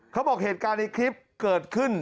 เขาบอกเหตุการณ์ในคลิปเกิดขึ้น